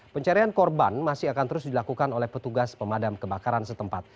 pencarian korban masih akan terus dilakukan oleh petugas pemadam kebakaran setempat